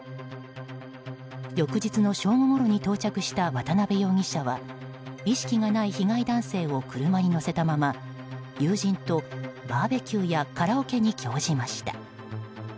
翌日の正午ごろに到着した渡辺容疑者は意識がない被害男性を車に乗せたまま友人とバーベキューやカラオケに興じました。